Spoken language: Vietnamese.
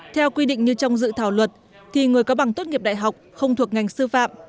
theo quy định như trong dự thảo luật thì người có bằng tốt nghiệp đại học không thuộc ngành sư phạm